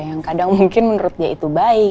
yang kadang mungkin menurutnya itu baik